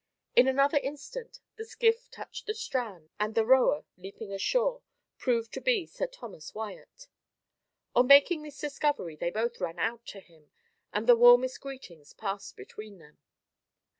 In another instant the skiff touched the strand, and the rower leaping ashore, proved to be Sir Thomas Wyat. On making this discovery they both ran out to him, and the warmest greetings passed between them.